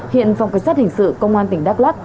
hiện phòng cảnh sát hình sự công an tỉnh đắk lắc